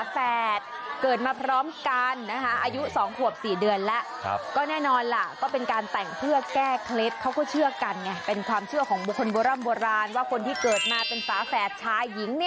แสดงส่อจนะนี่ไม่ธรรมดา